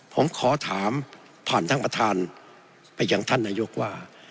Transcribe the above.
ผมขอถามผ่านท่านประธานไปยังท่านนายกว่า